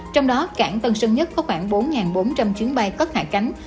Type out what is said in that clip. trong đó cảng tân sơn nhất có khoảng bốn bốn trăm linh chuyến bay cất hạ cánh